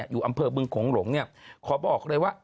อยู่บิงโขงโหลงขอบอกเลยว่า